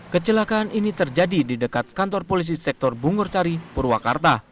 kecelakaan ini terjadi di dekat kantor polisi sektor bungur cari purwakarta